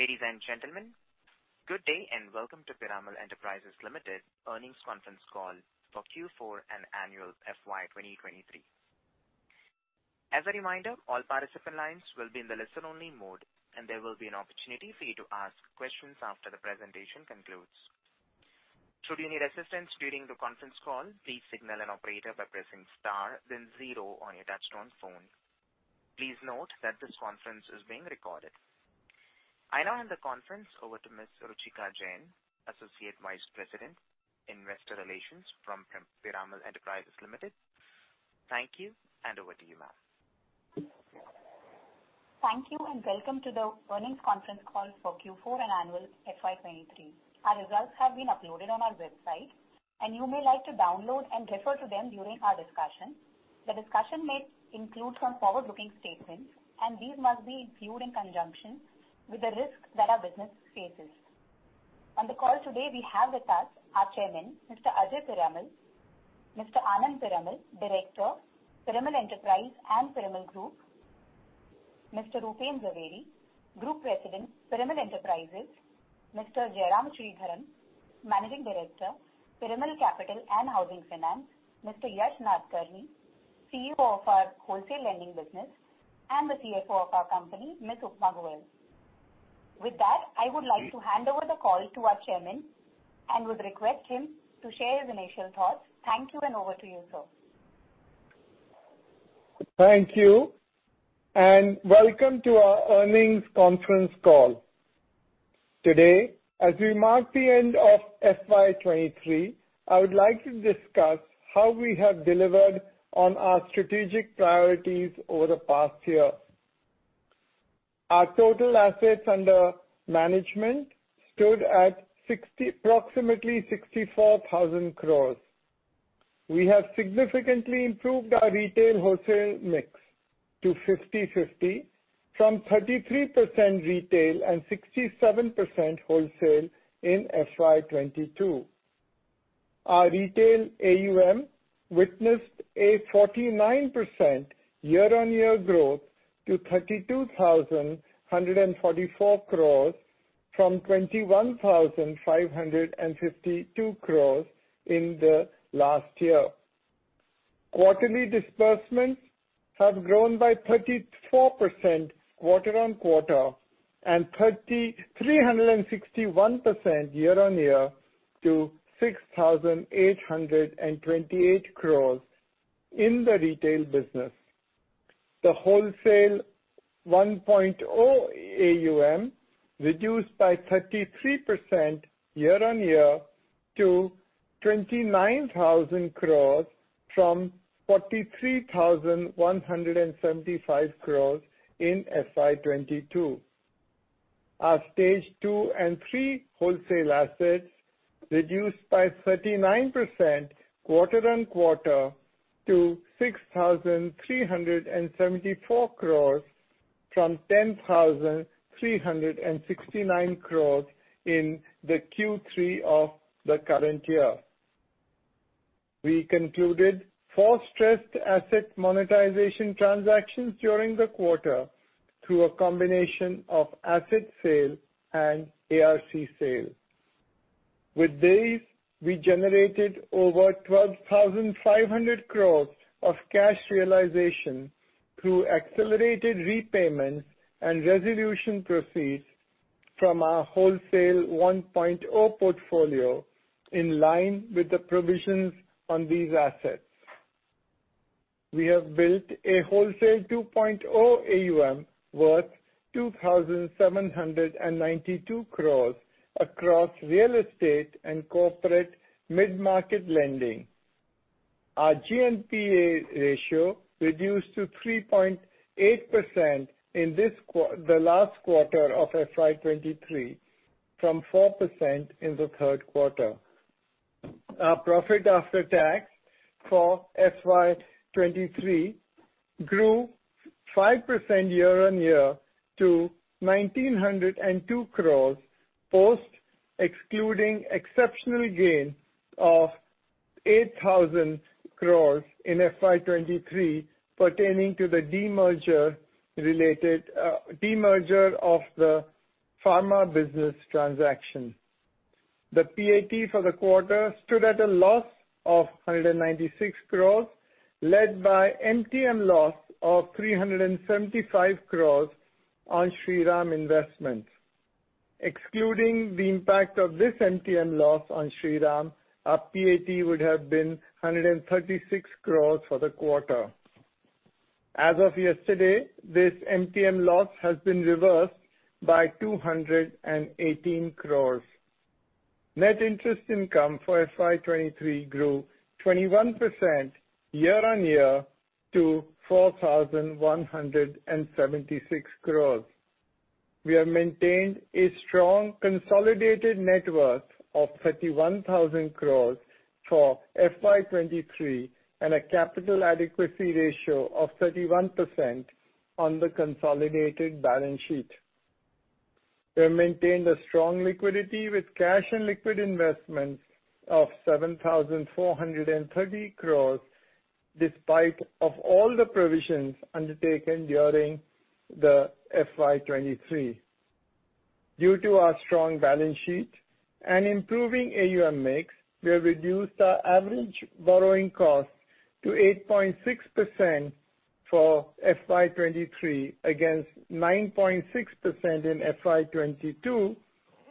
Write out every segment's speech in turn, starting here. Ladies and gentlemen, good day, and welcome to Piramal Enterprises Limited earnings conference call for Q4 and annual FY 2023. As a reminder, all participant lines will be in the listen-only mode, and there will be an opportunity for you to ask questions after the presentation concludes. Should you need assistance during the conference call, please signal an operator by pressing Star Zero on your touchtone phone. Please note that this conference is being recorded. I now hand the conference over to Ms. Ruchika Jain, Associate Vice President, Investor Relations from Piramal Enterprises Limited. Thank you, over to you, ma'am. Thank you. Welcome to the earnings conference call for Q4 and annual FY 2023. Our results have been uploaded on our website, and you may like to download and refer to them during our discussion. The discussion may include some forward-looking statements, and these must be viewed in conjunction with the risks that our business faces. On the call today, we have with us our Chairman, Mr. Ajay Piramal. Mr. Anand Piramal, Director, Piramal Enterprise and Piramal Group. Mr. Rupen Jhaveri, Group President, Piramal Enterprises. Mr. Jairam Sridharan, Managing Director, Piramal Capital & Housing Finance. Mr. Yesh Nadkarni, CEO of our Wholesale Lending business, and the CFO of our company, Ms. Upma Goel. With that, I would like to hand over the call to our Chairman and would request him to share his initial thoughts. Thank you, and over to you, sir. Thank you, and welcome to our earnings conference call. Today, as we mark the end of FY 2023, I would like to discuss how we have delivered on our strategic priorities over the past year. Our total assets under management stood at approximately 64,000 crores. We have significantly improved our retail wholesale mix to 50/50 from 33% retail and 67% wholesale in FY 2022. Our retail AUM witnessed a 49% year-on-year growth to 32,144 crores from 21,552 crores in the last year. Quarterly disbursements have grown by 34% quarter-on-quarter and 3,361% year-on-year to 6,828 crores in the retail business. The wholesale 1.0 AUM reduced by 33% year-on-year to 29,000 crores from 43,175 crores in FY 2022. Our Stage 2 and 3 wholesale assets reduced by 39% quarter-on-quarter to 6,374 crore from 10,369 crores in the Q3 of the current year. We concluded four stressed asset monetization transactions during the quarter through a combination of asset sale and ARC sale. With these, we generated over 12,500 crores of cash realization through accelerated repayments and resolution proceeds from our wholesale 1.0 portfolio in line with the provisions on these assets. We have built a wholesale 2.0 AUM worth 2,792 crores across real estate and corporate mid-market lending. Our GNPA ratio reduced to 3.8% in the last quarter of FY 2023, from 4% in the third quarter. Our profit after tax for FY23 grew 5% year-on-year to 1,902 crores, post excluding exceptional gain of 8,000 crores in FY 2023 pertaining to the demerger related demerger of the pharma business transaction. The PAT for the quarter stood at a loss of 196 crores, led by MTM loss of 375 crores on Shriram Investments. Excluding the impact of this MTM loss on Shriram, our PAT would have been 136 crores for the quarter. As of yesterday, this MTM loss has been reversed by 218 crores. Net interest income for FY 2023 grew 21% year-on-year to 4,176 crores. We have maintained a strong consolidated net worth of 31,000 crores for FY 2023 and a capital adequacy ratio of 31% on the consolidated balance sheet. We have maintained a strong liquidity with cash and liquid investments of 7,430 crores despite of all the provisions undertaken during the FY 2023. Due to our strong balance sheet and improving AUM mix, we have reduced our average borrowing costs to 8.6% for FY 2023 against 9.6% in FY 2022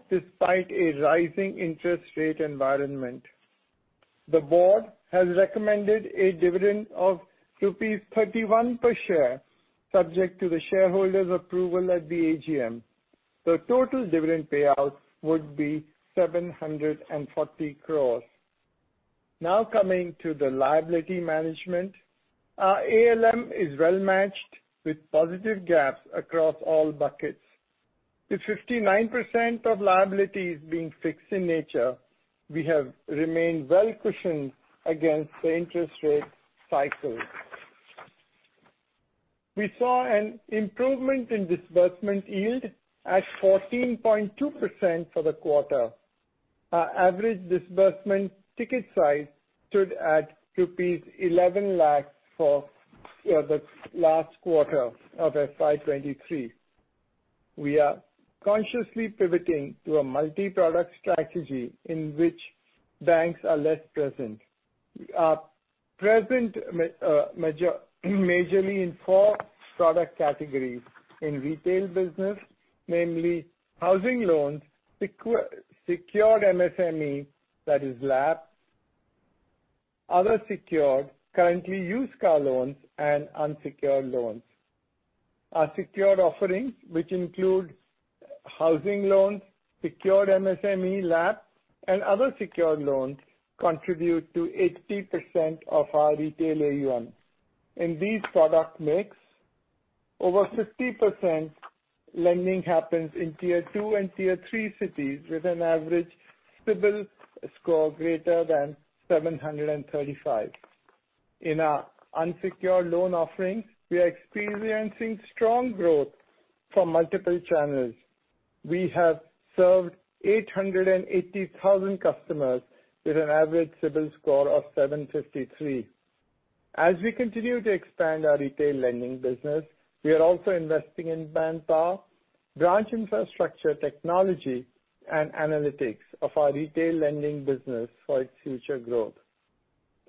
despite a rising interest rate environment. The board has recommended a dividend of rupees 31 per share, subject to the shareholders' approval at the AGM. The total dividend payout would be 740 crores. Coming to the liability management. Our ALM is well matched with positive gaps across all buckets. With 59% of liabilities being fixed in nature, we have remained well cushioned against the interest rate cycle. We saw an improvement in disbursement yield at 14.2% for the quarter. Our average disbursement ticket size stood at rupees 11 lakhs for, you know, the last quarter of FY 2023. We are consciously pivoting to a multi-product strategy in which banks are less present. We are present majorly in four product categories in retail business, namely housing loans, secured MSME, that is LAP, other secured, currently used car loans and unsecured loans. Our secured offerings, which include housing loans, secured MSME, LAP, and other secured loans, contribute to 80% of our retail AUM. In these product mix, over 50% lending happens in Tier-2 and Tier-3 cities with an average CIBIL score greater than 735. In our unsecured loan offerings, we are experiencing strong growth from multiple channels. We have served 880,000 customers with an average CIBIL score of 753. We continue to expand our retail lending business, we are also investing in manpower, branch infrastructure, technology, and analytics of our retail lending business for its future growth.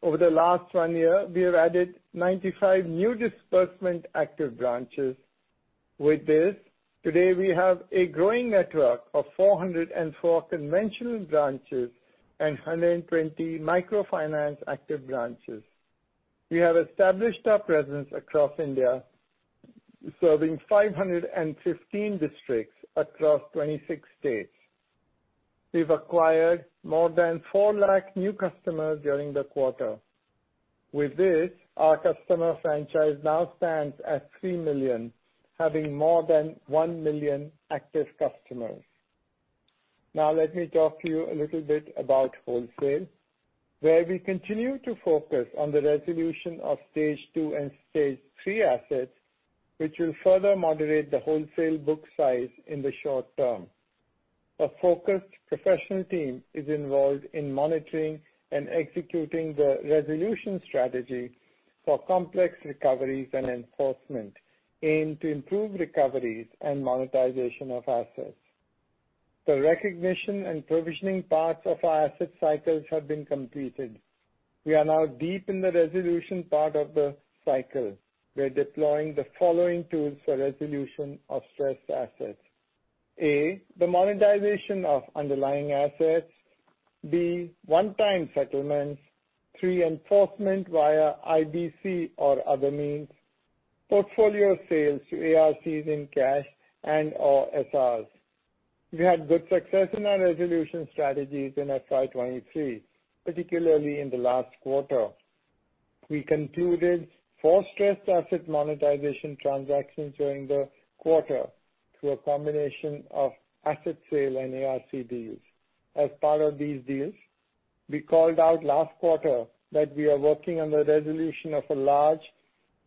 Over the last one year, we have added 95 new disbursement active branches. Today we have a growing network of 404 conventional branches and 120 microfinance active branches. We have established our presence across India, serving 515 districts across 26 states. We've acquired more than 4 lakh new customers during the quarter. Our customer franchise now stands at three million, having more than one million active customers. Let me talk to you a little bit about wholesale, where we continue to focus on the resolution of Stage 2 and Stage 3 assets, which will further moderate the wholesale book size in the short term. A focused professional team is involved in monitoring and executing the resolution strategy for complex recoveries and enforcement aimed to improve recoveries and monetization of assets. The recognition and provisioning parts of our asset cycles have been completed. We are now deep in the resolution part of the cycle. We are deploying the following tools for resolution of stressed assets: A, the monetization of underlying assets, B, one-time settlements, three, enforcement via IBC or other means, portfolio sales to ARCs in cash and/or SRs. We had good success in our resolution strategies in FY 2023, particularly in the last quarter. We concluded four stressed asset monetization transactions during the quarter through a combination of asset sale and ARC deals. As part of these deals, we called out last quarter that we are working on the resolution of a large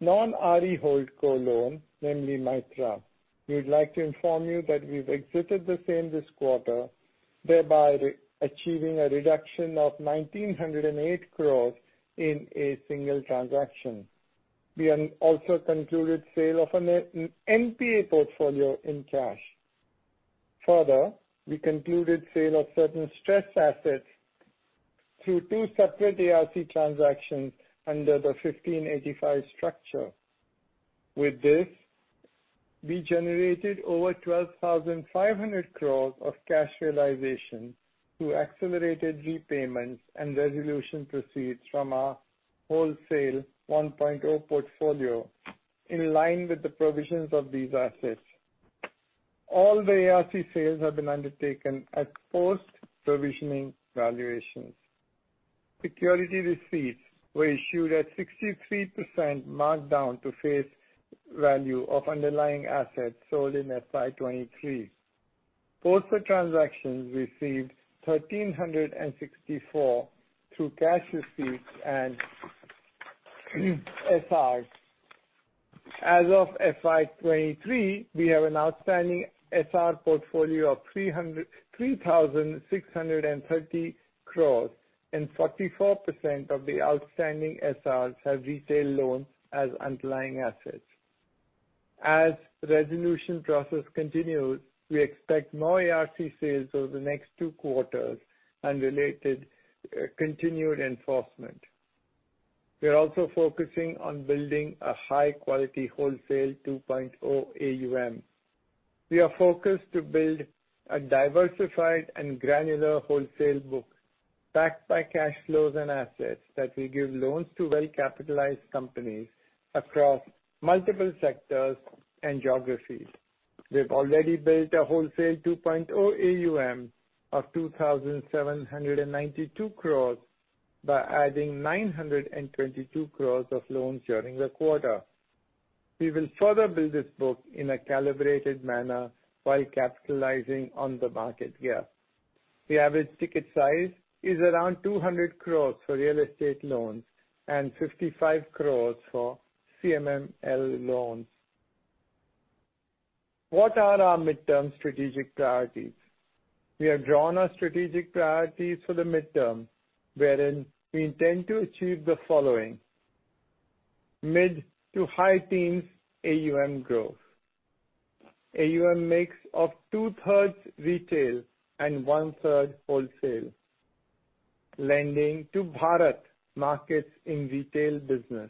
non-RE hold-co loan, namely Mitra. We'd like to inform you that we've exited the same this quarter, thereby re-achieving a reduction of 1,908 crores in a single transaction. We have also concluded sale of an N-NPA portfolio in cash. We concluded sale of certain stressed assets through two separate ARC transactions under the 15:85 structure. We generated over 12,500 crores of cash realization through accelerated repayments and resolution proceeds from our wholesale 1.0 portfolio in line with the provisions of these assets. All the ARC sales have been undertaken at post-provisioning valuations. Security receipts were issued at 63% markdown to face value of underlying assets sold in FY 2023. Both the transactions received 1,364 through cash receipts and SRs. As of FY 2023, we have an outstanding SR portfolio of 3,630 crores and 44% of the outstanding SRs have retail loans as underlying assets. As resolution process continues, we expect more ARC sales over the next two quarters and related continued enforcement. We are also focusing on building a high quality wholesale 2.0 AUM. We are focused to build a diversified and granular wholesale book backed by cash flows and assets that will give loans to well-capitalized companies across multiple sectors and geographies. We've already built a wholesale 2.0 AUM of 2,792 crores by adding 922 crores of loans during the quarter. We will further build this book in a calibrated manner while capitalizing on the market gap. The average ticket size is around 200 crores for real estate loans and 55 crores for CMML loans. What are our midterm strategic priorities? We have drawn our strategic priorities for the midterm, wherein we intend to achieve the following. Mid-to-high teens AUM growth. AUM mix of two-thirds retail and one-third wholesale. Lending to Bharat markets in retail business.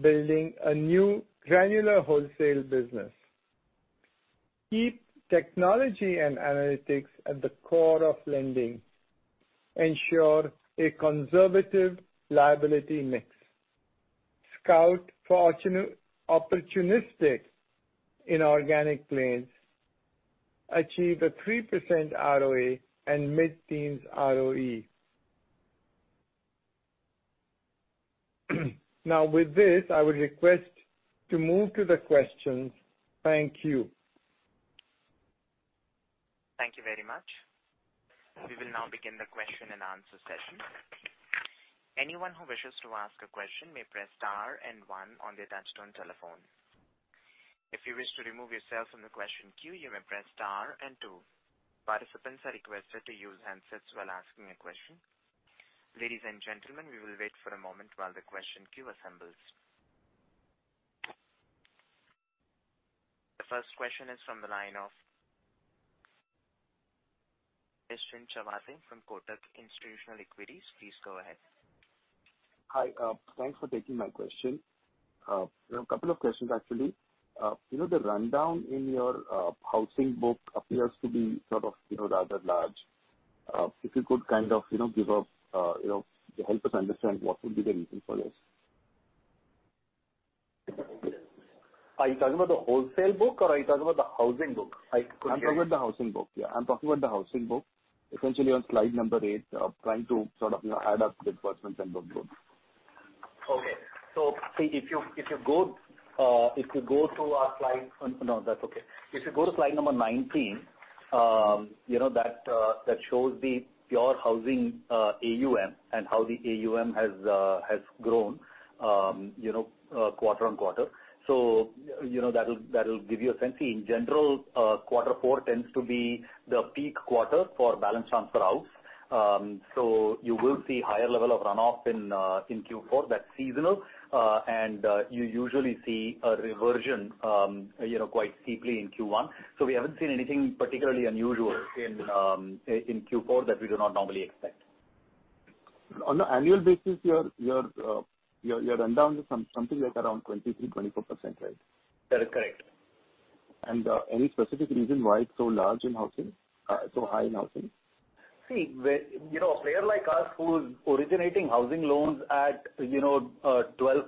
Building a new granular wholesale business. Keep technology and analytics at the core of lending. Ensure a conservative liability mix. Scout for opportunistic inorganic plays. Achieve a 3% ROA and mid-teens ROE. With this, I would request to move to the questions. Thank you. Thank you very much. We will now begin the question and answer session. Anyone who wishes to ask a question may press Star and One on their touch-tone telephone. If you wish to remove yourself from the question queue, you may press Star and Two. Participants are requested to use handsets while asking a question. Ladies and gentlemen, we will wait for a moment while the question queue assembles. The first question is from the line of Mr. Chawathe from Kotak Institutional Equities. Please go ahead. Thanks for taking my question. You know, a couple of questions actually. You know, the rundown in your housing book appears to be sort of, you know, rather large. If you could kind of, you know, give us, you know, help us understand what would be the reason for this. Are you talking about the wholesale book or are you talking about the housing book? I couldn't hear. I'm talking about the housing book. Yeah. I'm talking about the housing book, essentially on slide number eight. Trying to sort of, you know, add up disbursements and book loans. Okay. If you go to our slide. No, that's okay. If you go to slide number 19, you know, that shows the pure housing AUM and how the AUM has grown, you know, quarter-on-quarter. You know, that'll give you a sense. In general, Q4 tends to be the peak quarter for balance transfer outs. You will see higher level of runoff in Q4. That's seasonal. You usually see a reversion, you know, quite steeply in Q1. We haven't seen anything particularly unusual in Q4 that we do not normally expect. On an annual basis, your rundown is something like around 23%-24%, right? That is correct. any specific reason why it's so large in housing? so high in housing? See, where, you know, a player like us who's originating housing loans at, you know, 12%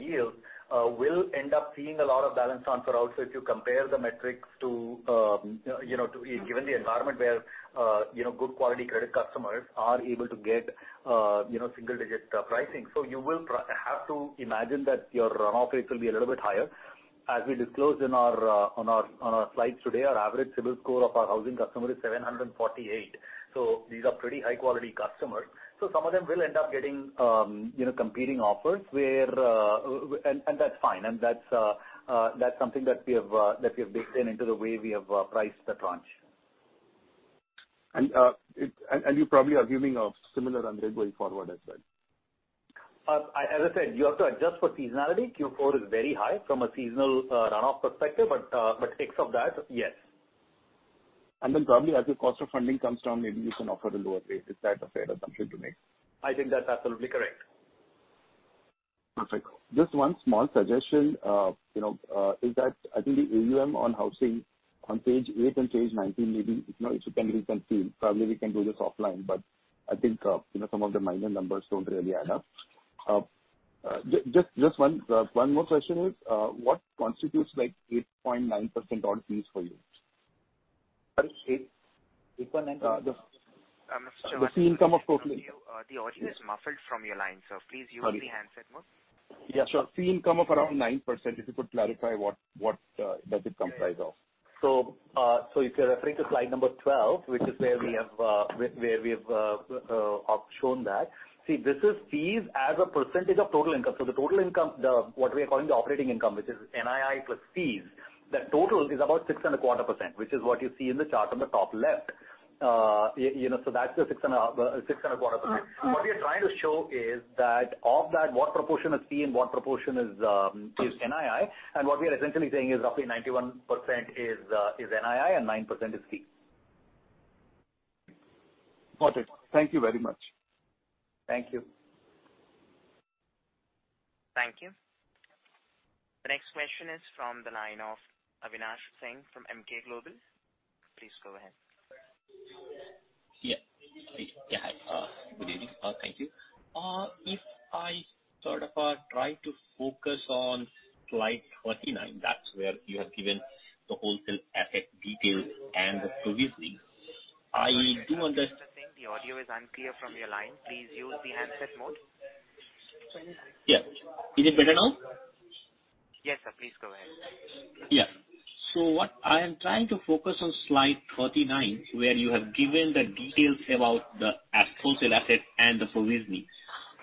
yield, will end up seeing a lot of balance transfer outs if you compare the metrics to, you know, to. Given the environment where, you know, good quality credit customers are able to get, you know, single-digit pricing. You will have to imagine that your runoff rates will be a little bit higher. As we disclosed in our, on our slides today, our average CIBIL score of our housing customer is 748. These are pretty high quality customers. Some of them will end up getting, you know, competing offers where. And that's fine. That's something that we have baked in into the way we have priced the tranche. And you're probably assuming a similar run rate going forward, I said. As I said, you have to adjust for seasonality. Q4 is very high from a seasonal runoff perspective. Except that, yes. Probably as your cost of funding comes down, maybe you can offer a lower rate. Is that a fair assumption to make? I think that's absolutely correct. Perfect. Just one small suggestion. You know, is that I think the AUM on housing on page eight and page 19, maybe if not, if you can reconfirm. Probably we can do this offline, but I think, you know, some of the minor numbers don't really add up. Just one more question is, what constitutes like 8.9% odd fees for you? Sorry, 8.9? Uh, the- Mr. Chavase- The fee income of The audio is muffled from your line, sir. Please use the handset mode. Yeah, sure. Fee income of around 9%, if you could clarify what does it comprise of? If you're referring to slide number 12, which is where we have shown that. This is fees as a % of total income. The total income, the what we are calling the operating income, which is NII plus fees, the total is about six and a quarter percent, which is what you see in the chart on the top left. You know, that's the six and a quarter percent. Mm-hmm. What we are trying to show is that of that, what proportion is fee and what proportion is is NII. What we are essentially saying is roughly 91% is is NII and 9% is fee. Got it. Thank you very much. Thank you. Thank you. The next question is from the line of Avinash Singh from Emkay Global. Please go ahead. Yeah. Yeah, hi. Good evening. Thank you. If I sort of, try to focus on slide 39, that's where you have given the wholesale asset details and the provisioning. Mr. Singh, the audio is unclear from your line. Please use the handset mode. Yeah. Is it better now? Yes, sir. Please go ahead. What I am trying to focus on slide 39, where you have given the details about the wholesale asset and the provisioning.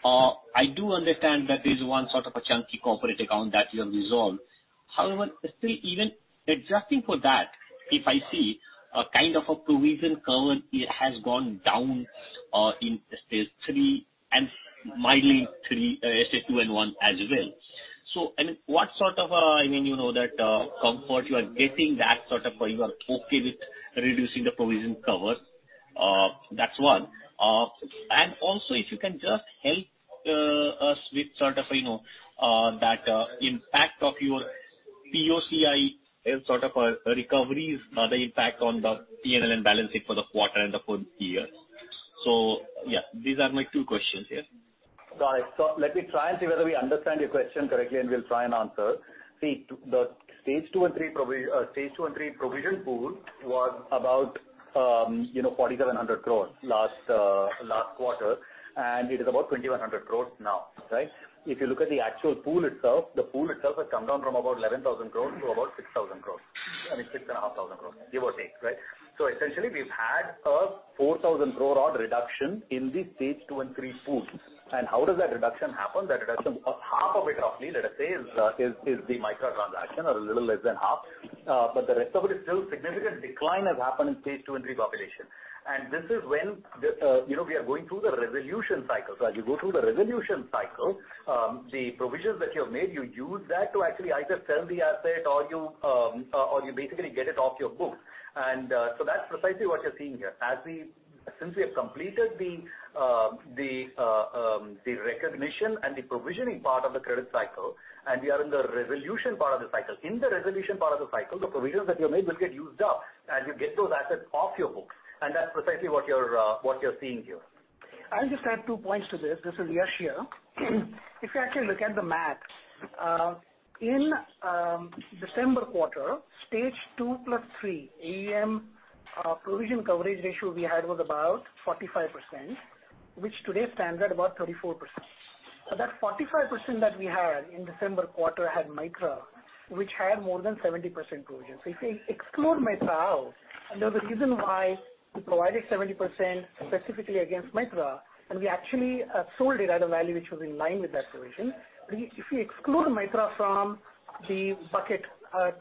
I do understand that there's one sort of a chunky corporate account that you have resolved. However, still even adjusting for that, if I see a kind of a provision cover has gone down in Stage 3 and Stage 2 and 1 as well. What sort of, I mean, you know that comfort you are getting that sort of, you are okay with reducing the provision cover. That's one. Also if you can just help us with sort of, you know, that impact of your POCI and sort of, recoveries, the impact on the P&L and balance sheet for the quarter and the full year. Yeah, these are my two questions. Yeah. Got it. Let me try and see whether we understand your question correctly, and we'll try and answer. See, the Stage 2 and 3 provision pool was about, you know, 4,700 crores last quarter, and it is about 2,100 crores now, right? If you look at the actual pool itself, the pool itself has come down from about 11,000 crores to about 6,000 crores. I mean, 6,500 crores, give or take, right? essentially, we've had a 4,000 crores odd reduction in the stage two and three pools. how does that reduction happen? The reduction of half of it roughly, let us say, is the micro transaction or a little less than half. The rest of it is still significant decline has happened in Stage 2 and 3 population. This is when the, you know, we are going through the resolution cycle. As you go through the resolution cycle, the provisions that you have made, you use that to actually either sell the asset or you or you basically get it off your books. That's precisely what you're seeing here. Since we have completed the recognition and the provisioning part of the credit cycle, and we are in the resolution part of the cycle. In the resolution part of the cycle, the provisions that you made will get used up, and you get those assets off your books. That's precisely what you're seeing here. I'll just add two points to this. This is Yash here. If you actually look at the math, in December quarter, stage two plus three AUM, provision coverage ratio we had was about 45%, which today stands at about 34%. That 45% that we had in December quarter had Mitra, which had more than 70% provision. If we exclude Mitra out, and there was a reason why we provided 70% specifically against Mitra, and we actually sold it at a value which was in line with that provision. If you, if you exclude Mitra from the bucket,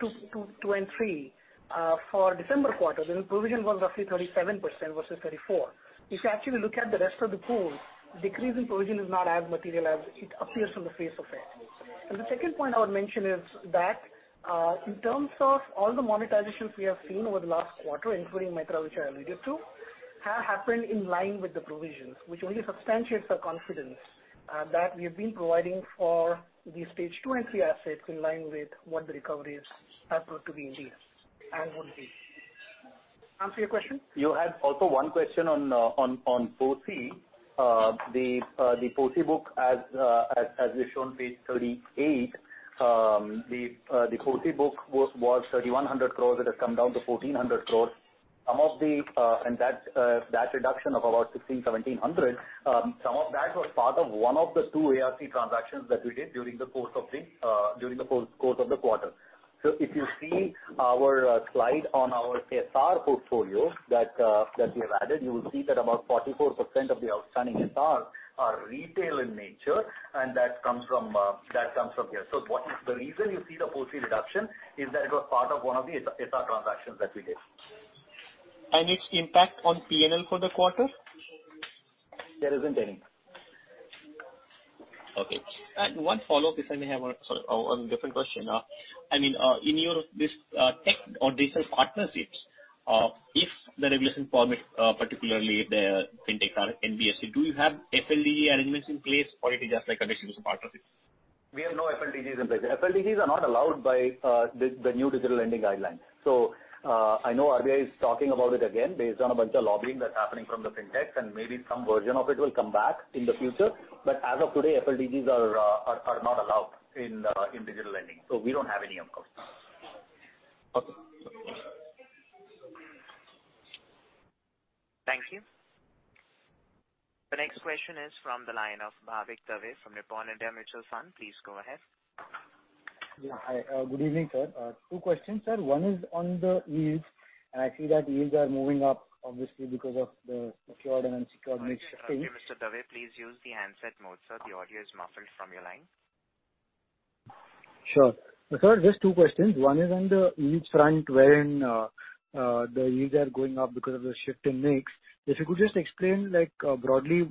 two and three, for December quarter, then the provision was roughly 37% versus 34%. If you actually look at the rest of the pool, decrease in provision is not as material as it appears on the face of it. The second point I would mention is that in terms of all the monetizations we have seen over the last quarter, including Micra, which I alluded to, happened in line with the provisions, which only substantiates our confidence that we have been providing for the stage two and three assets in line with what the recoveries have proved to be indeed and will be. Answer your question? You had also one question on POCI. The POCI book as we've shown page 38, the POCI book was 3,100 crores. It has come down to 1,400 crores. Some of the and that reduction of about 1,600-1,700, some of that was part of one of the two ARC transactions that we did during the course of the quarter. If you see our slide on our SAR portfolio that we have added, you will see that about 44% of the outstanding SAR are retail in nature, and that comes from here. What is the reason you see the POCI reduction is that it was part of one of the S-SAR transactions that we did. Its impact on P&L for the quarter? There isn't any. Okay. One follow-up if I may have one. Sorry, one different question. I mean, in your this, tech or digital partnerships, if the regulation permit, particularly the Fintech or NBFC, do you have FLDG arrangements in place or it is just like a traditional part of it? We have no FLDGs in place. FLDGs are not allowed by the new digital lending guidelines. I know RBI is talking about it again based on a bunch of lobbying that's happening from the Fintechs and maybe some version of it will come back in the future. As of today, FLDGs are not allowed in digital lending. We don't have any of course. Okay. Thank you. The next question is from the line of Bhavik Dave from Nippon India Mutual Fund. Please go ahead. Yeah. Hi. good evening, sir. two questions, sir. One is on the yields. I see that yields are moving up obviously because of the secured and unsecured- Oh, excuse me, Mr. Dave. Please use the handset mode, sir. The audio is muffled from your line. Sure. Sir, just two questions. One is on the yield front, wherein the yields are going up because of the shift in mix. If you could just explain, like, broadly,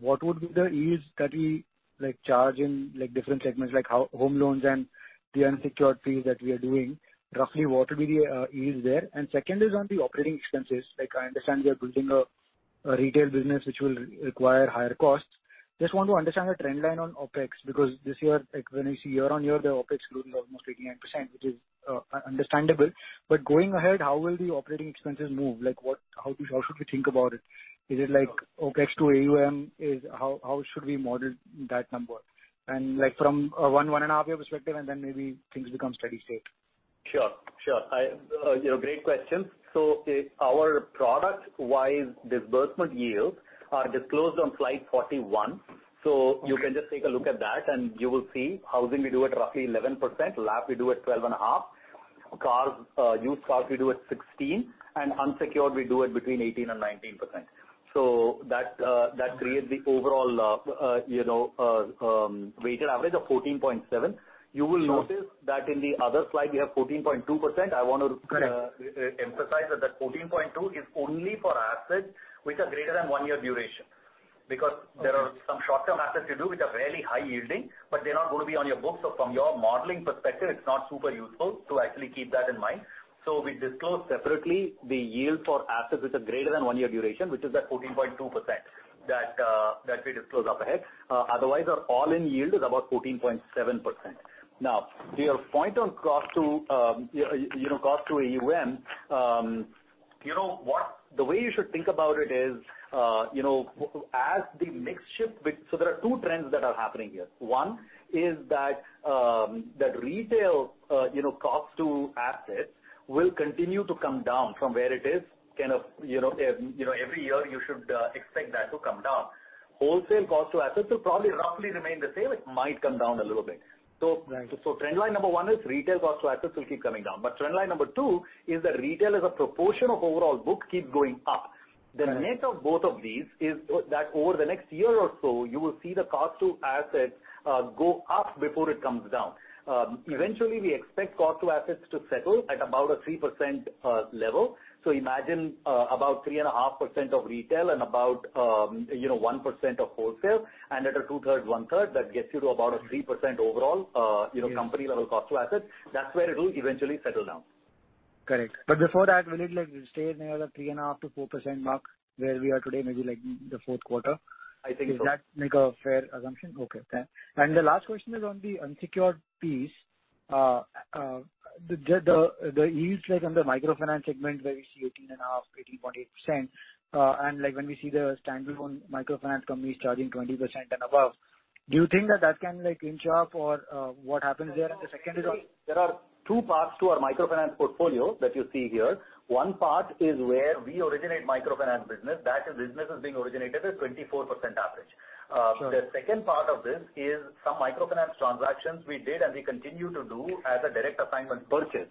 what would be the yields that we, like, charge in, like, different segments, like home loans and the unsecured fees that we are doing. Roughly what will be the yields there? Second is on the operating expenses. Like, I understand we are building a retail business which will require higher costs. Just want to understand the trend line on OpEx because this year, like when you see year on year, the OpEx grew almost 89%, which is understandable. Going ahead, how will the operating expenses move? Like what... how should we think about it? Is it like OpEx to AUM? How should we model that number? Like from a one and a half year perspective, and then maybe things become steady state. Sure. Sure. You know, great questions. Our product-wise disbursement yields are disclosed on slide 41. Okay. You can just take a look at that, and you will see housing we do at roughly 11%, LAP we do at 12.5%, cars, used cars we do at 16%, and unsecured we do at between 18%-19%. That, that creates the overall, you know, weighted average of 14.7%. Sure. You will notice that in the other slide we have 14.2%. Correct. I want to emphasize that 14.2 is only for assets which are greater than one-year duration. Okay. there are some short-term assets we do with a very high yielding, but they're not going to be on your books. From your modeling perspective, it's not super useful, so actually keep that in mind. We disclose separately the yield for assets which are greater than one-year duration, which is at 14.2% that we disclose up ahead. Otherwise, our all-in yield is about 14.7%. Your point on cost to, you know, cost to AUM, you know what? The way you should think about it is, you know, as the mix shift with... There are two trends that are happening here. One is that retail, you know, cost to assets will continue to come down from where it is kind of, you know, every year you should expect that to come down. Wholesale cost to assets will probably roughly remain the same. It might come down a little bit. Right. Trend line number one is retail cost to assets will keep coming down. Trend line number two is that retail as a proportion of overall book keeps going up. Right. The net of both of these is that over the next year or so, you will see the cost to assets go up before it comes down. Right. Eventually we expect cost to assets to settle at about a 3% level. Imagine about 3.5% of retail and about, you know, 1% of wholesale and at a 2/3, 1/3, that gets you to about a 3% overall, you know. Yeah. company level cost to assets. That's where it will eventually settle down. Correct. Before that, will it like stay near the 3.5%-4% mark where we are today, maybe like the fourth quarter? I think so. Does that make a fair assumption? Okay, thanks. The last question is on the unsecured piece. The yields like on the microfinance segment where we see 18.5, 18.8%, and like when we see the standalone microfinance companies charging 20% and above, do you think that that can like inch up or what happens there? The second is on- There are two parts to our microfinance portfolio that you see here. One part is where we originate microfinance business. That is, business is being originated at 24% average. Sure. The second part of this is some microfinance transactions we did and we continue to do as a direct assignment purchase.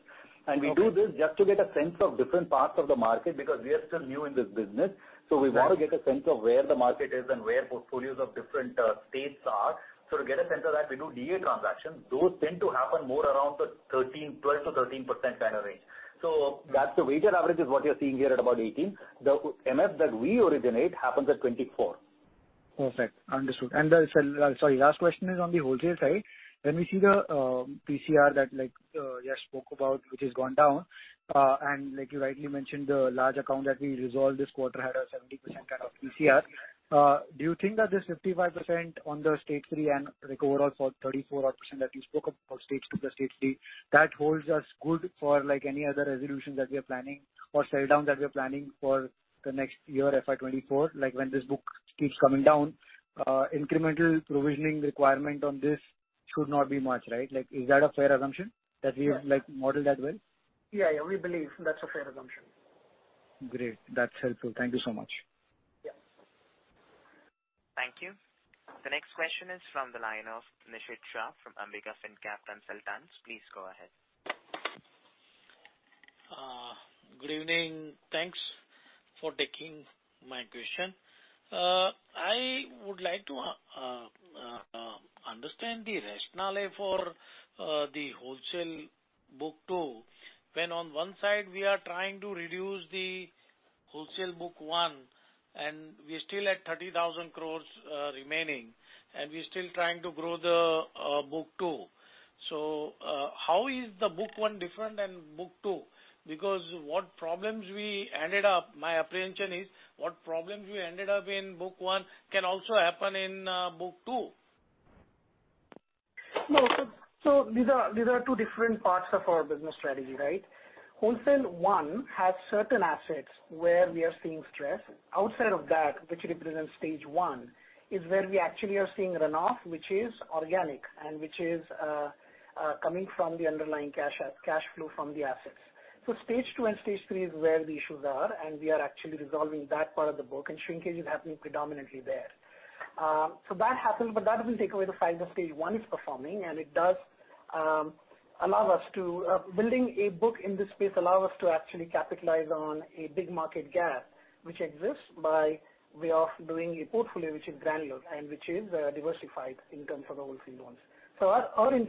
Okay. We do this just to get a sense of different parts of the market because we are still new in this business. Right. We want to get a sense of where the market is and where portfolios of different states are. To get a sense of that, we do DA transactions. Those tend to happen more around the 13, 12%-13% kind of range. That's the weighted average is what you're seeing here at about 18%. The MF that we originate happens at 24%. Perfect. Understood. Sorry, last question is on the wholesale side. When we see the PCR that like Yash spoke about, which has gone down, and like you rightly mentioned, the large account that we resolved this quarter had a 70% kind of PCR. Do you think that this 55% on the stage three and like overall for 34 odd % that you spoke about stage two plus stage three, that holds us good for like any other resolution that we are planning or sell down that we are planning for the next year, FY 2024? When this book keeps coming down, incremental provisioning requirement on this should not be much, right? Is that a fair assumption that we have like modeled that well? Yeah, we believe that's a fair assumption. Great. That's helpful. Thank you so much. Yeah. Thank you. The next question is from the line of Nishit Shah from Ambika Fincap Consultants. Please go ahead. Good evening. Thanks for taking my question. I would like to understand the rationale for the wholesale book two, when on one side we are trying to reduce the wholesale book one, and we're still at 30,000 crores remaining, and we're still trying to grow the book two. How is the book one different than book two? What problems we ended up, my apprehension is what problems we ended up in book one can also happen in book two. These are two different parts of our business strategy, right? Wholesale one has certain assets where we are seeing stress. Outside of that, which represents Stage 1, is where we actually are seeing runoff, which is organic and which is coming from the underlying cash flow from the assets. Stage 2 and Stage 3 is where the issues are, and we are actually resolving that part of the book and shrinkage is happening predominantly there. That happens, but that doesn't take away the fact that Stage 1 is performing, and it does allow us to building a book in this space allow us to actually capitalize on a big market gap which exists by way of doing a portfolio which is granular and which is diversified in terms of our wholesale loans. Our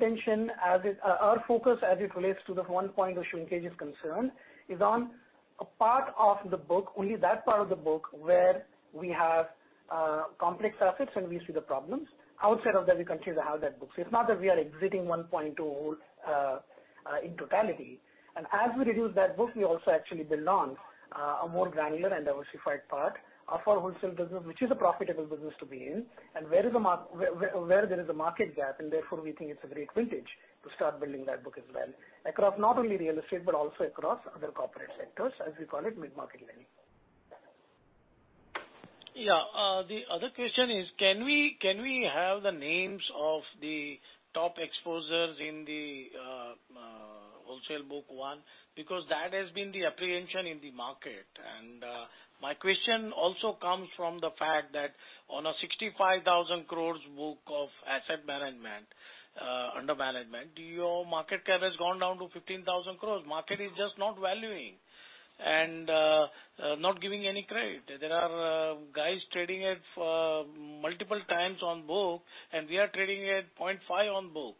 focus as it relates to the one point of shrinkage is concerned, is on a part of the book, only that part of the book where we have complex assets and we see the problems. Outside of that, we continue to have that book. It's not that we are exiting one point two holds in totality. As we reduce that book, we also actually build on a more granular and diversified part of our wholesale business, which is a profitable business to be in, and where there is a market gap, and therefore we think it's a great vantage to start building that book as well, across not only real estate, but also across other corporate sectors, as we call it, mid-market lending. Yeah. The other question is can we have the names of the top exposures in the wholesale book one? Because that has been the apprehension in the market. My question also comes from the fact that on a 65,000 crores book of asset management under management, your market cap has gone down to 15,000 crores. Market is just not valuing and not giving any credit. There are guys trading at multiple times on book and we are trading at 0.5 on book.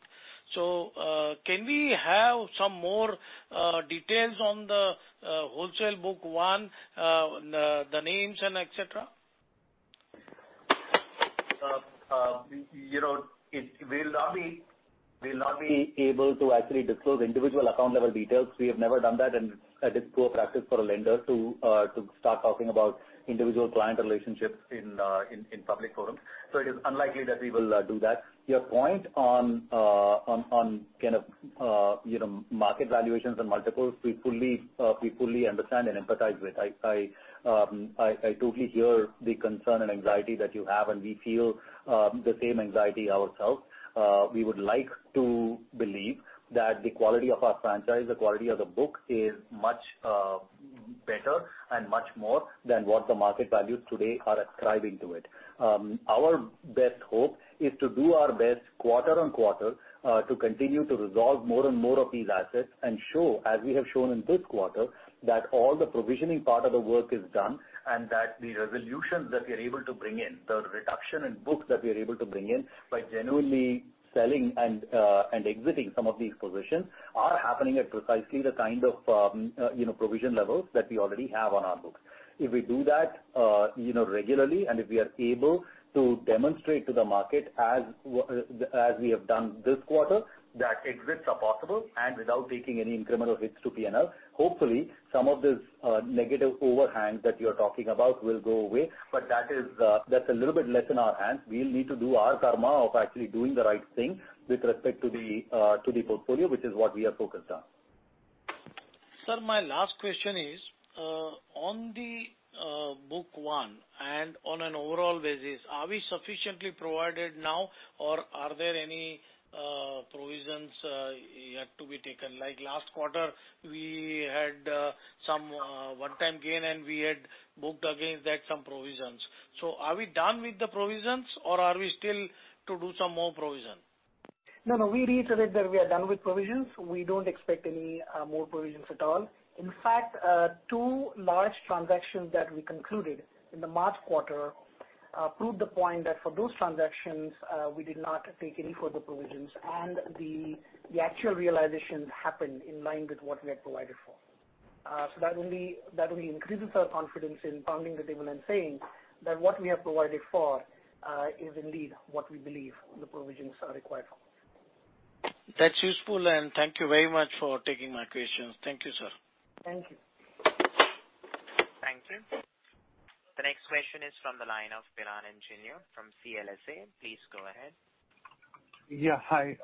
Can we have some more details on the wholesale book one, the names and et cetera? you know, it. We'll not be able to actually disclose individual account level details. We have never done that, and it's poor practice for a lender to start talking about individual client relationships in public forums. It is unlikely that we will do that. Your point on kind of, you know, market valuations and multiples, we fully understand and empathize with. I totally hear the concern and anxiety that you have, and we feel the same anxiety ourselves. We would like to believe that the quality of our franchise, the quality of the book is much better and much more than what the market values today are ascribing to it. Our best hope is to do our best quarter-on-quarter, to continue to resolve more and more of these assets and show, as we have shown in this quarter, that all the provisioning part of the work is done, and that the resolutions that we are able to bring in, the reduction in books that we are able to bring in by genuinely selling and exiting some of these positions, are happening at precisely the kind of, you know, provision levels that we already have on our books. If we do that, you know, regularly, and if we are able to demonstrate to the market, as we have done this quarter, that exits are possible and without taking any incremental hits to P&L, hopefully some of this negative overhang that you're talking about will go away. That is, that's a little bit less in our hands. We'll need to do our karma of actually doing the right thing with respect to the to the portfolio, which is what we are focused on. Sir, my last question is on the book one and on an overall basis, are we sufficiently provided now or are there any provisions yet to be taken? Like last quarter we had some one-time gain and we had booked against that some provisions. Are we done with the provisions or are we still to do some more provision? No, we reiterate that we are done with provisions. We don't expect any more provisions at all. In fact, two large transactions that we concluded in the March quarter proved the point that for those transactions, we did not take any further provisions, the actual realization happened in line with what we had provided for. That only increases our confidence in pounding the table and saying that what we have provided for is indeed what we believe the provisions are required for. That's useful, and thank you very much for taking my questions. Thank you, sir. Thank you. Thank you. The next question is from the line of Piran Engineer from CLSA. Please go ahead. Hi.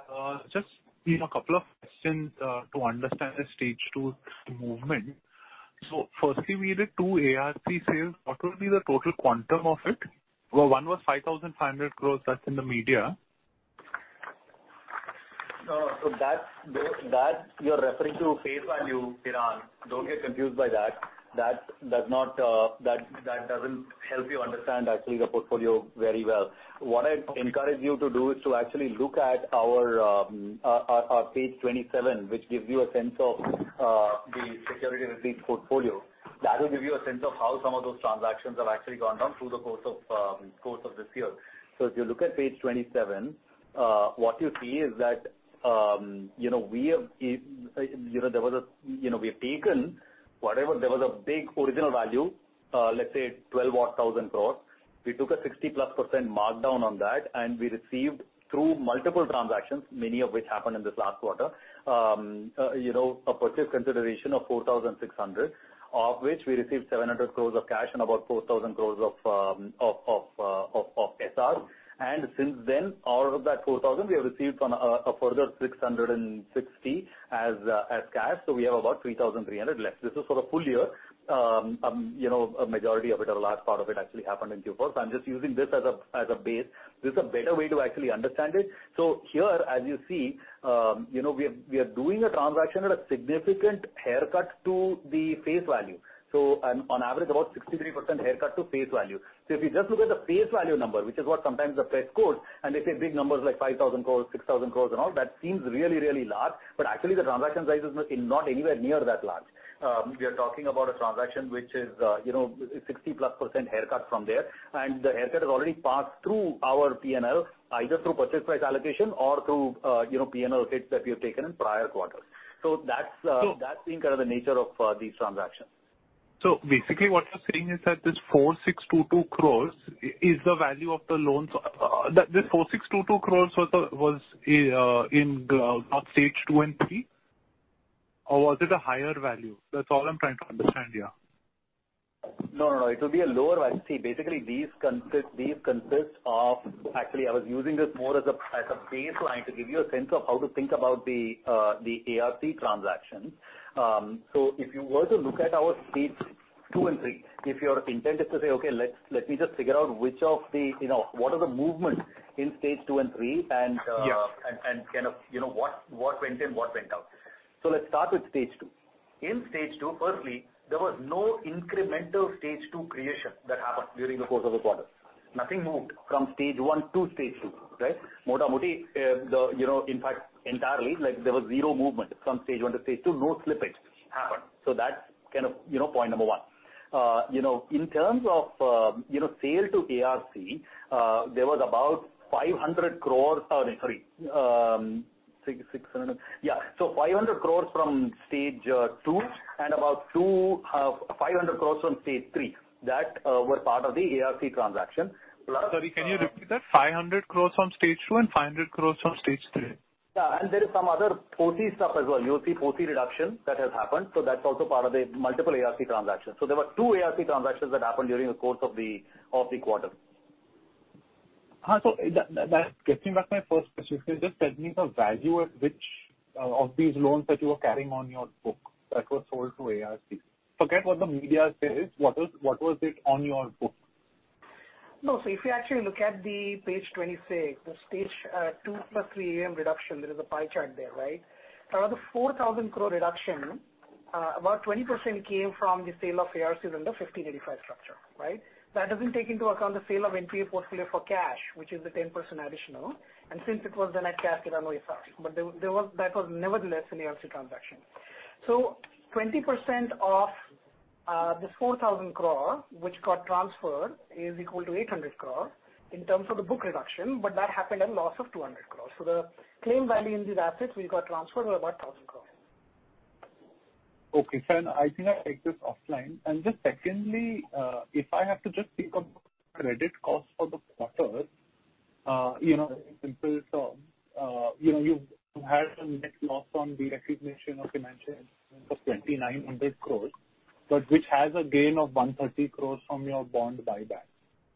Just, you know, a couple of questions to understand the stage two movement. Firstly we did two ARC sales. What would be the total quantum of it? Well, one was 5,500 crores. That's in the media. No. You're referring to face value, Piran. Don't get confused by that. That doesn't help you understand actually the portfolio very well. What I'd encourage you to do is to actually look at our page 27, which gives you a sense of the security receipts portfolio. That will give you a sense of how some of those transactions have actually gone down through the course of this year. If you look at page 27, what you see is that, you know, we have, you know, there was a big original value, let's say 12 or 1,000 crores. We took a 60+% markdown on that. We received through multiple transactions, many of which happened in this last quarter, you know, a purchase consideration of 4,600, of which we received 700 crores of cash and about 4,000 crores of SR. Since then, out of that 4,000 we have received on a further 660 as cash. We have about 3,300 left. This is for the full year. You know, a majority of it or a large part of it actually happened in Q1. I'm just using this as a base. This is a better way to actually understand it. Here, as you see, you know, we are doing a transaction at a significant haircut to the face value. On, on average, about 63% haircut to face value. If you just look at the face value number, which is what sometimes the press quotes, and they say big numbers like 5,000 crores, 6,000 crores and all, that seems really, really large, but actually the transaction size is not anywhere near that large. We are talking about a transaction which is, you know, 60-plus percent haircut from there, and the haircut has already passed through our P&L, either through purchase price allocation or through, you know, P&L hits that we have taken in prior quarters. That's, that's been kind of the nature of these transactions. Basically what you're saying is that this 4,622 crores is the value of the loans. This 4,622 crores was in stage two and three? Or was it a higher value? That's all I'm trying to understand, yeah. No, no. It will be a lower value. See, basically these consist of... Actually, I was using this more as a, as a baseline to give you a sense of how to think about the ARC transaction. If you were to look at our Stage 2 and 3, if your intent is to say, okay, let's, let me just figure out which of the, you know, what are the movements in stage two and three. Yes. And kind of, you know, what went in, what went out. Let's start with Stage 2. In Stage 2, firstly, there was no incremental Stage 2 creation that happened during the course of the quarter. Nothing moved from Stage 1 to Stage 2, right? More to more, the, you know, in fact, entirely, like, there was zero movement from Stage 1 to Stage 2. No slippage happened. That's kind of, you know, point number one. You know, in terms of, you know, sale to ARC, there was about 500 crores, or sorry. Yeah. 500 crores from Stage 2 and about 2,500 crores from Stage 3 that were part of the ARC transaction. Plus, Sorry, can you repeat that? 500 crores from stage two and 500 crores from stage three. Yeah. There is some other 4C stuff as well. You'll see 4C reduction that has happened, so that's also part of the multiple ARC transactions. There were two ARC transactions that happened during the course of the quarter. That's getting back to my first question. Just tell me the value at which of these loans that you were carrying on your book that was sold to ARC. Forget what the media says, what was it on your book? No. If you actually look at page 26, the stage two plus three AM reduction, there is a pie chart there, right? Out of the 4,000 crores reduction, about 20% came from the sale of ARCs in the 15:85 structure, right? That doesn't take into account the sale of NPA portfolio for cash, which is the 10% additional. Since it was the net cash, it only INR 50. That was nevertheless an ARC transaction. 20% of this 4,000 crores, which got transferred, is equal to 800 crore in terms of the book reduction, but that happened at a loss of 200 crores. The claim value in these assets which got transferred were about 1,000 crores. Okay. I think I take this offline. Just secondly, if I have to just think of credit costs for the quarter, you know, in simple terms, you know, you've had a net loss on the recognition of financial instrument of 2,900 crores, but which has a gain of 130 crores from your bond buyback.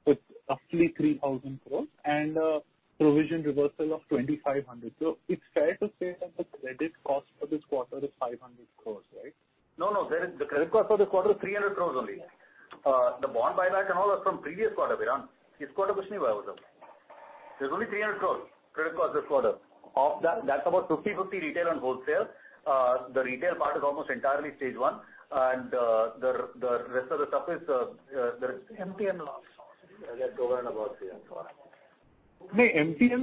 It's roughly 3,000 crores and a provision reversal of 2,500 crores. It's fair to say that the credit cost for this quarter is 500 crores, right? No, no. The credit cost for this quarter is 300 crores only. The bond buyback and all was from previous quarter, Piran. This quarter there's only 300 crores credit cost this quarter. Of that's about 50/50 retail and wholesale. The rest of the stuff is MPN loss that go around about INR 300 crores. Nai, NPA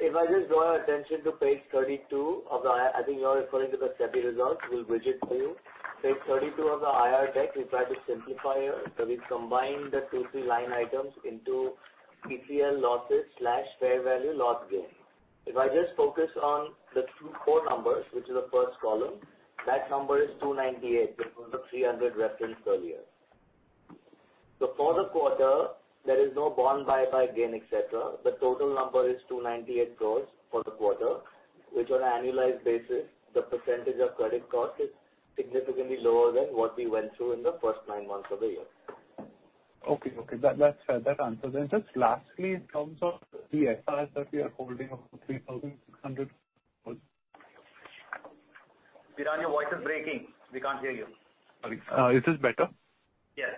If I just draw your attention to page 32 of the I think you are referring to the SEBI results. We'll bridge it for you. Page 32 of the IR deck, we try to simplify here. We've combined the two, three line items into PCL losses slash fair value loss gain. If I just focus on the two core numbers, which is the first column, that number is 298, which was the 300 referenced earlier. For the quarter, there is no bond buyback gain, et cetera. The total number is 298 crores for the quarter, which on an annualized basis, the % of credit cost is significantly lower than what we went through in the first nine months of the year. Okay. That's, that answers it. Just lastly, in terms of the SRs that we are holding of the 3,600. Piran, your voice is breaking. We can't hear you. Sorry. Is this better? Yes.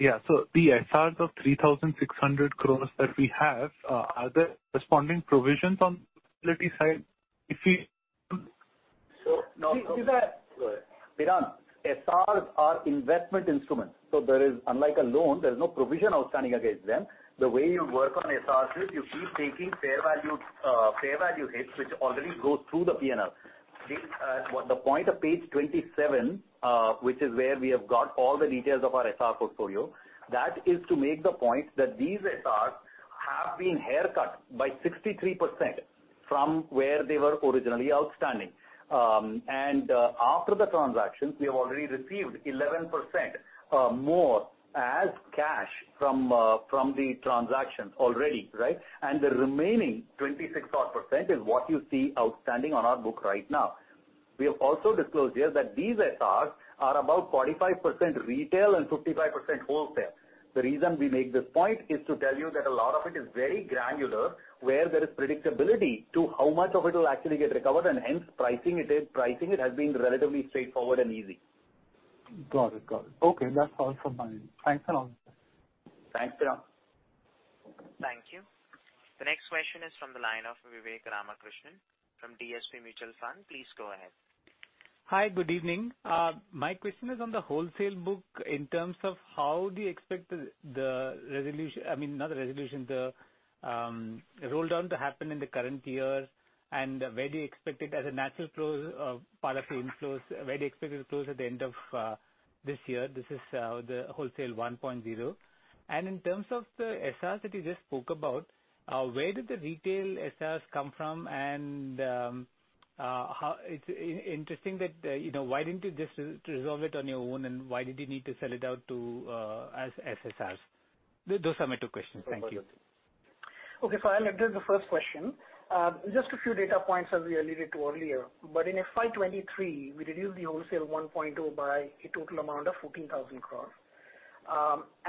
Yeah. The SRs of 3,600 crores that we have, are there corresponding provisions on the liability side? So- See. Go ahead. Piran, SRs are investment instruments. There is, unlike a loan, there's no provision outstanding against them. The way you work on SRs is you keep taking fair value, fair value hits, which already goes through the P&L. The point of page 27, which is where we have got all the details of our SR portfolio, that is to make the point that these SRs have been haircut by 63% from where they were originally outstanding. After the transactions, we have already received 11% more as cash from the transactions already, right? The remaining 26% odd is what you see outstanding on our book right now. We have also disclosed here that these SRs are about 45% retail and 55% wholesale. The reason we make this point is to tell you that a lot of it is very granular, where there is predictability to how much of it will actually get recovered and hence pricing it in. Pricing it has been relatively straightforward and easy. Got it. Okay, that's all from my end. Thanks a lot. Thanks, Piran. Thank you. The next question is from the line of Vivek Ramakrishnan from DSP Mutual Fund. Please go ahead. Hi, good evening. My question is on the wholesale book in terms of how do you expect I mean, not the resolution, the roll down to happen in the current year and where do you expect it as a natural close part of the inflows. Where do you expect it to close at the end of this year? This is the wholesale 1.0. In terms of the SRs that you just spoke about, where did the retail SRs come from and It's interesting that, you know, why didn't you just resolve it on your own and why did you need to sell it out to as SRs? Those are my two questions. Thank you. Okay. I'll address the first question. Just a few data points as we alluded to earlier, in FY 2023 we reduced the wholesale 1.0 by a total amount of 14,000 crores.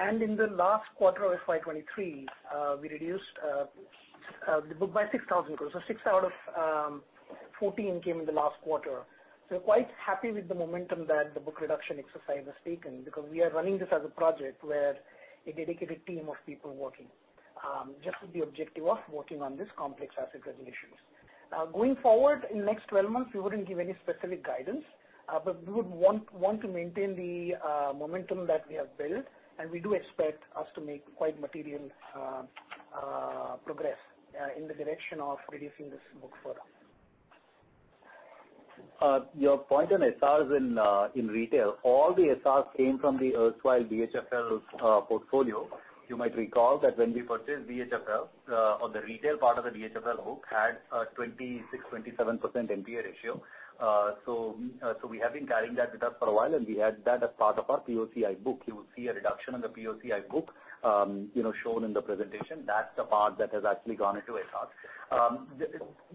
In the last quarter of FY 2023, we reduced the book by 6,000 crores. six out of 14 came in the last quarter. Quite happy with the momentum that the book reduction exercise has taken because we are running this as a project where a dedicated team of people working just with the objective of working on this complex asset resolutions. Going forward, in the next 12 months, we wouldn't give any specific guidance, but we would want to maintain the momentum that we have built and we do expect us to make quite material progress in the direction of reducing this book further. Your point on SRs in retail, all the SRs came from the erstwhile DHFL portfolio. You might recall that when we purchased DHFL, on the retail part of the DHFL book had a 26%-27% NPA ratio. We have been carrying that with us for a while, and we had that as part of our POCI book. You will see a reduction in the POCI book, you know, shown in the presentation. That's the part that has actually gone into SRs.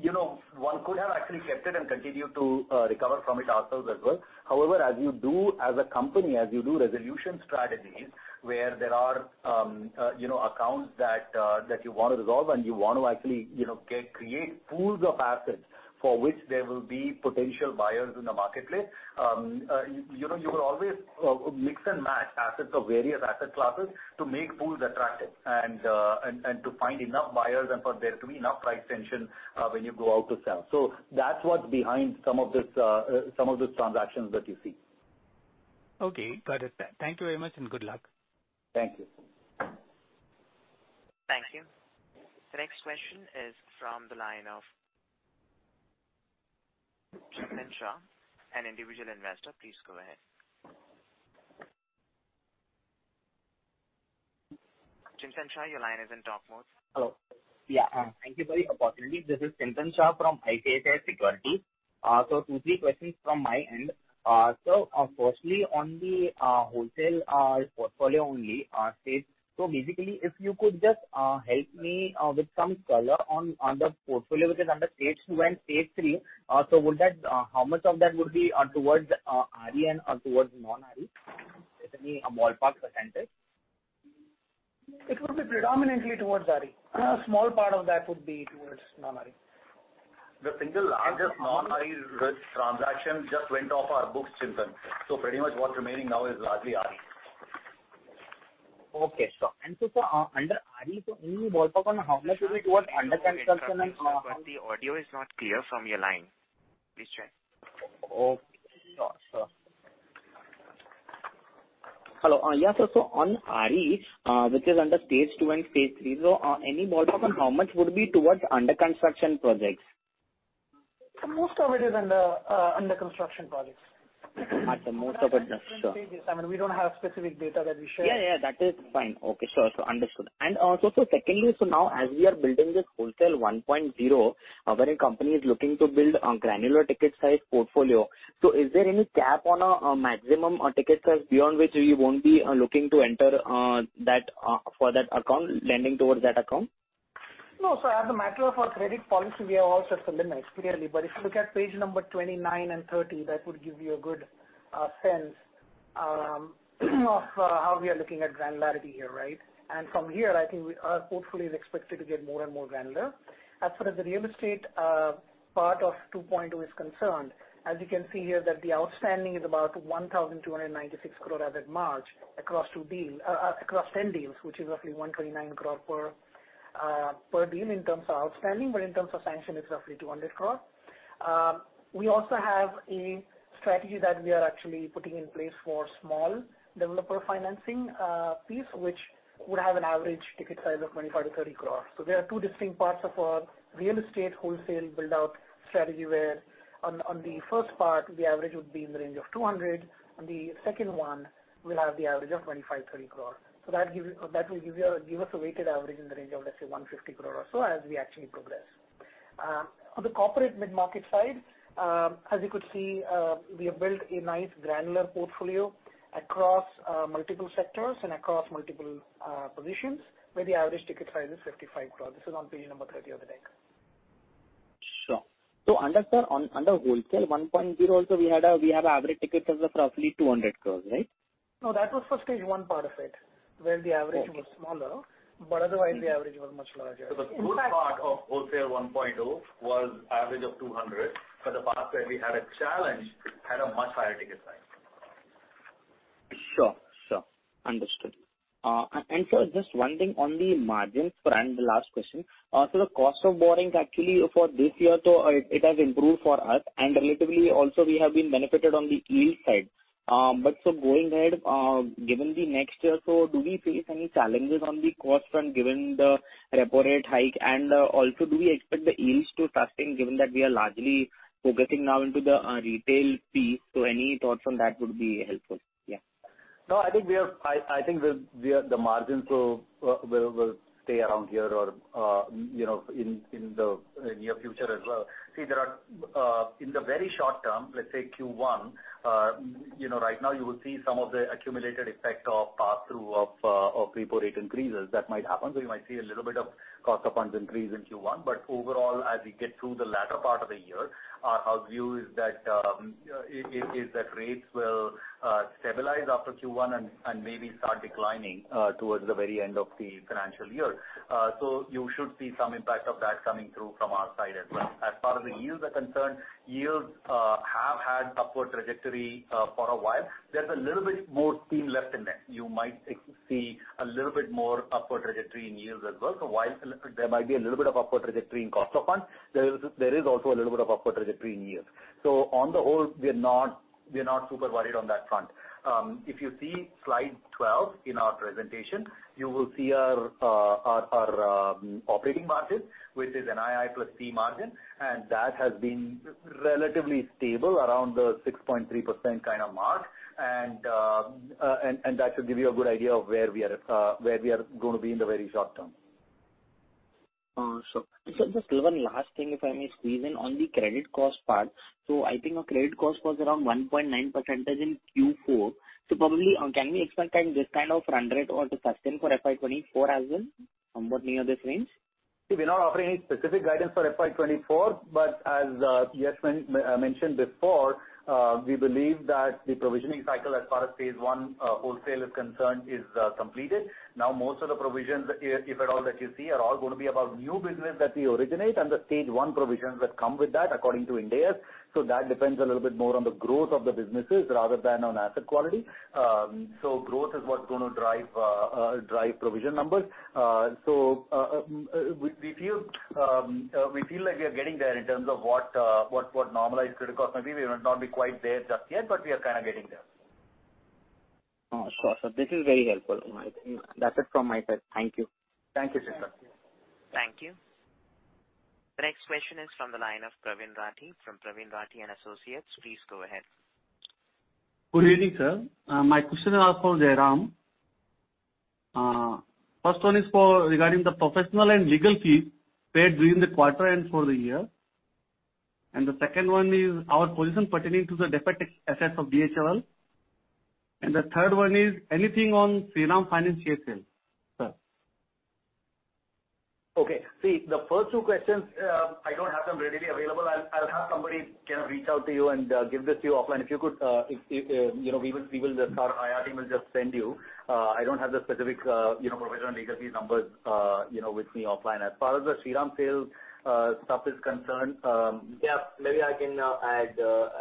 you know, one could have actually kept it and continued to recover from it ourselves as well. However, as you do as a company, as you do resolution strategies where there are, you know, accounts that you want to resolve and you want to actually, you know, get, create pools of assets for which there will be potential buyers in the marketplace, you know, you will always mix and match assets of various asset classes to make pools attractive and to find enough buyers and for there to be enough price tension when you go out to sell. That's what's behind some of this, some of these transactions that you see. Okay, got it, sir. Thank you very much and good luck. Thank you. Thank you. The next question is from the line of Chintan Shah, an individual investor. Please go ahead. Chintan Shah, your line is in talk mode. Hello. Yeah. Thank you for the opportunity. This is Chintan Shah from HDFC Securities. Two, three questions from my end. Firstly on the wholesale portfolio only, Stage. Basically, if you could just help me with some color on the portfolio which is under Stage 2 and Stage 3. Would that, how much of that would be towards RE and towards non-RE? If any, a ballpark percentage. It would be predominantly towards RE. A small part of that would be towards non-RE. The single largest non-RE transaction just went off our books, Chintan. Pretty much what's remaining now is largely RE. Okay, sure. Under RE, so any ballpark on how much would be towards under construction? Excuse me, Chintan Shah, the audio is not clear from your line. Please check. Okay. Sure, sure. Hello. On RE, which is under Stage 2 and Stage 3. Any ballpark on how much would be towards under construction projects? Most of it is under construction projects. Most of it. Sure. I mean, we don't have specific data that we share. Yeah. That is fine. Okay. Sure. Sure. Understood. Also, secondly, now as we are building this wholesale 1.0, our very company is looking to build a granular ticket size portfolio. Is there any cap on a maximum ticket size beyond which we won't be looking to enter that for that account, lending towards that account? No. As a matter of our credit policy, we are all set to limits clearly. If you look at page number 29 and 30, that would give you a good sense of how we are looking at granularity here, right? From here, I think we, our portfolio is expected to get more and more granular. As far as the real estate part of 2.0 is concerned, as you can see here that the outstanding is about 1,296 crore as at March across two deal across 10 deals, which is roughly 129 crores per per deal in terms of outstanding but in terms of sanction it's roughly 200 crores. We also have a strategy that we are actually putting in place for small developer financing piece, which would have an average ticket size of 25 crores-30 crores. There are two distinct parts of our real estate wholesale build-out strategy where on the first part the average would be in the range of 200 crores. On the second one we'll have the average of 25 crores, 30 crores. That will give us a weighted average in the range of let's say 150 croress or so as we actually progress. On the corporate mid-market side, as you could see, we have built a nice granular portfolio across multiple sectors and across multiple positions where the average ticket size is 55 crore. This is on page number 30 of the deck. Sure. Under wholesale 1.0, we have average ticket of roughly 200 crores, right? That was for stage one part of it, where the. Okay. was smaller, but otherwise the average was much larger. In fact- The good part of wholesale 1.0 was average of 200, but the part where we had a challenge had a much higher ticket size. Sure. Sure. Understood. Sir, just one thing on the margins, and the last question. The cost of borrowings actually for this year, so it has improved for us and relatively also we have been benefited on the yield side. Going ahead, given the next year, so do we face any challenges on the cost front given the repo rate hike? Also do we expect the yields to sustain given that we are largely focusing now into the retail piece? Any thoughts on that would be helpful. No, I think the margins will stay around here or, you know, in the near future as well. There are, in the very short term, let's say Q1, you know, right now you will see some of the accumulated effect of passthrough of repo rate increases that might happen. You might see a little bit of cost of funds increase in Q1. Overall, as we get through the latter part of the year, our view is that rates will stabilize after Q1 and maybe start declining towards the very end of the financial year. You should see some impact of that coming through from our side as well. As far as the yields are concerned, yields have had upward trajectory for a while. There's a little bit more steam left in there. You might see a little bit more upward trajectory in yields as well. While there might be a little bit of upward trajectory in cost of funds, there is also a little bit of upward trajectory in yields. On the whole, we're not super worried on that front. If you see slide 12 in our presentation, you will see our operating margin, which is an NII plus C margin, and that has been relatively stable around the 6.3% kind of mark. That should give you a good idea of where we are, where we are gonna be in the very short term. Sure. Sir, just one last thing, if I may squeeze in on the credit cost part. I think our credit cost was around 1.9% in Q4. Can we expect then this kind of run rate or to sustain for FY 2024 as well, somewhat near this range? We're not offering any specific guidance for FY 2024, as Yasmin mentioned before, we believe that the provisioning cycle as far as Phase 1 wholesale is concerned is completed. Most of the provisions, if at all that you see, are all gonna be about new business that we originate and the Stage 1 provisions that come with that according to Ind AS. That depends a little bit more on the growth of the businesses rather than on asset quality. Growth is what's gonna drive provision numbers. We feel like we are getting there in terms of what normalized credit costs may be. We may not be quite there just yet, we are kind of getting there. Sure, sir. This is very helpful. I think that's it from my side. Thank you. Thank you, Chintah. Thank you. The next question is from the line of Praveen Rathi from Praveen Rathi & Associates. Please go ahead. Good evening, sir. My question is asked for Jairam. First one is for regarding the professional and legal fees paid during the quarter and for the year. The second one is our position pertaining to the deferred tax assets of DHFL. The third one is anything on Shriram Finance GSL, sir. Okay. See, the first two questions, I don't have them readily available. I'll have somebody, you know, reach out to you and give this to you offline. If you could, if, you know, Our IR team will just send you. I don't have the specific, you know, professional and legal fees numbers, you know, with me offline. As far as the Shriram sales stuff is concerned, Yeah, maybe I can add.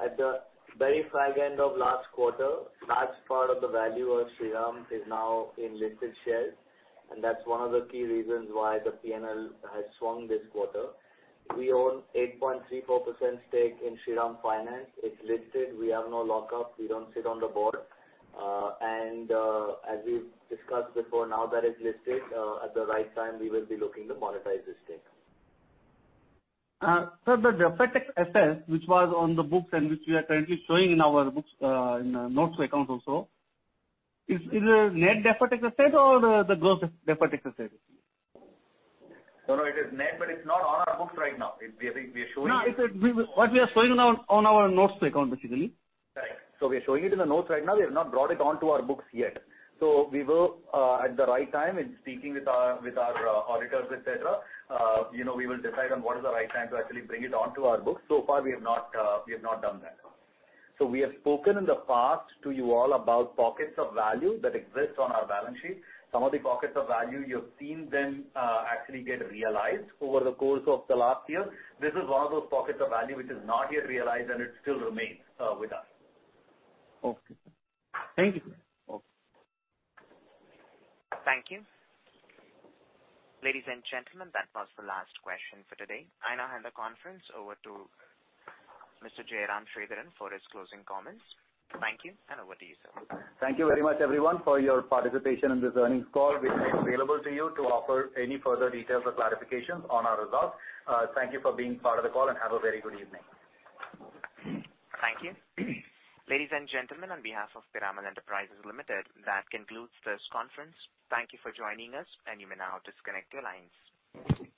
At the very flag end of last quarter, large part of the value of Shriram is now in listed shares, and that's one of the key reasons why the P&L has swung this quarter. We own 8.34% stake in Shriram Finance. It's listed. We have no lockup. We don't sit on the board. As we've discussed before, now that it's listed, at the right time, we will be looking to monetize this stake. Sir, the deferred tax assets, which was on the books and which we are currently showing in our books, in notes to accounts also, is it net deferred tax asset or the gross deferred tax asset? No, no, it is net, but it's not on our books right now. I think we are showing- No, it's, what we are showing on our notes to account, basically. Right. We are showing it in the notes right now. We have not brought it onto our books yet. We will, at the right time in speaking with our auditors, etcetera, you know, we will decide on what is the right time to actually bring it onto our books. So far we have not done that. We have spoken in the past to you all about pockets of value that exist on our balance sheet. Some of the pockets of value you've seen them, actually get realized over the course of the last year. This is one of those pockets of value which is not yet realized and it still remains with us. Okay. Thank you. Okay. Thank you. Ladies and gentlemen, that was the last question for today. I now hand the conference over to Mr. Jairam Sridharan for his closing comments. Thank you, and over to you, sir. Thank you very much everyone for your participation in this earnings call. We remain available to you to offer any further details or clarifications on our results. Thank you for being part of the call and have a very good evening. Thank you. Ladies and gentlemen, on behalf of Piramal Enterprises Limited, that concludes this conference. Thank you for joining us, and you may now disconnect your lines.